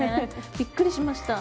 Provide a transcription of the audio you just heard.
びっくりしました。